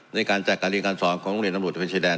ในการจัดการเรียนการสอนของโรงเรียนตำรวจตะเวนชายแดน